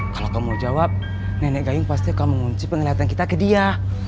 kalau kamu mau jawab nenek gayung pasti akan mengunci penglihatan kita ke dia